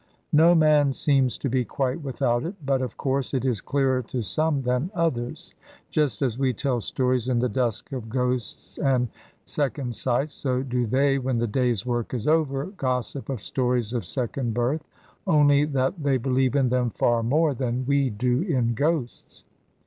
No man seems to be quite without it, but of course it is clearer to some than others. Just as we tell stories in the dusk of ghosts and second sight, so do they, when the day's work is over, gossip of stories of second birth; only that they believe in them far more than we do in ghosts.